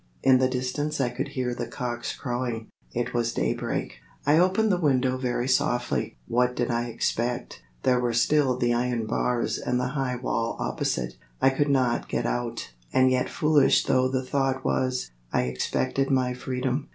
In the distance I could hear the cocks crowing. It was daybreak. I opened the window very softly. What did I expect? There were still the iron bars and the high wall opposite. I could not get out, and yet foolish though the thought was, I expected my freedom.